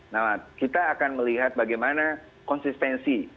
nah kita akan melihat bagaimana konsistensi